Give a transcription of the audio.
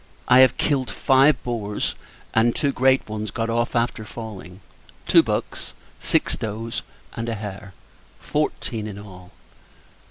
I have killed five boars, and two great ones got off after falling; two bucks; six does; and a hare: fourteen in all.